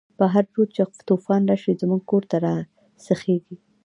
په هر رود چی توفان راشی، زموږ کور ته راسيخيږی